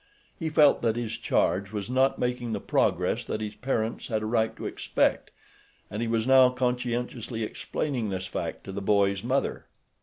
He felt that his charge was not making the progress that his parents had a right to expect, and he was now conscientiously explaining this fact to the boy's mother.